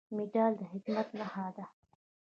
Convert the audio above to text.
مډال د خدمت نښه ده